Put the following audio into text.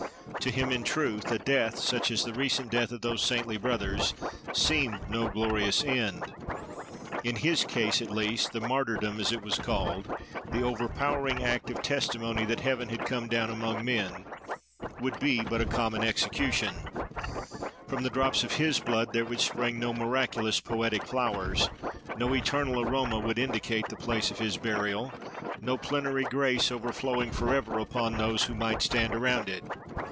To him, in truth, a death such as the recent death of those saintly brothers, seemed no glorious end. In his case, at least, the Martyrdom, as it was called—the overpowering act of testimony that Heaven had come down among men—would be but a common execution: from the drops of his blood there would spring no miraculous, poetic flowers; no eternal aroma would indicate the place of his burial; no plenary grace, overflowing for ever upon those who might stand around it.